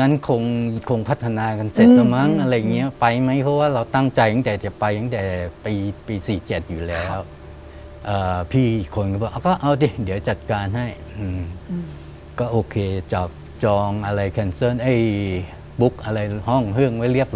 อันนี้คุยกันรู้เรื่อง